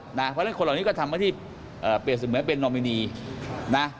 เพราะฉะนั้นคนเหล่านี้ก็ทำให้ที่เปรียบเสมือนเป็นนอมินีนะ